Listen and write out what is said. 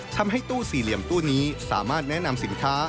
ทำให้ตู้สี่เหลี่ยมตู้นี้สามารถแนะนำสินค้า